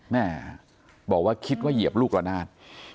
แม่บอกว่าคิดว่าเหยียบลูกละนาด